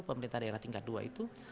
pemerintah daerah tingkat dua itu